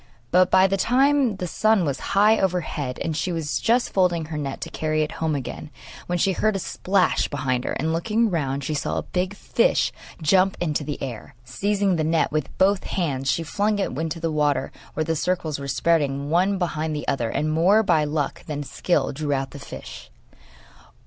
But by this time the sun was high overhead, and she was just folding her net to carry it home again, when she heard a splash behind her, and looking round she saw a big fish jump into the air. Seizing the net with both hands, she flung it into the water where the circles were spreading one behind the other, and, more by luck than skill, drew out the fish.